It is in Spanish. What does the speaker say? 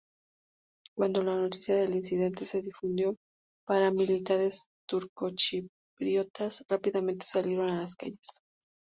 Cuando la noticia del incidente se difundió, paramilitares turcochipriotas rápidamente salieron a las calles.